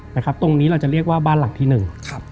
ตรงนี้เราจะเรียกว่าบ้านหลังที่หนึ่งครับ